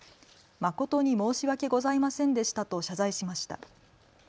誠に申し訳ございませんでしたと謝罪しました。